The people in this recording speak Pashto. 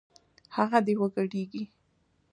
هغه دې وګډېږي